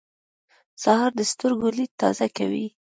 سهار د سترګو لید تازه کوي.